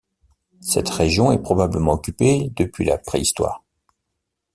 Cette région est probablement occupée depuis la préhistoire.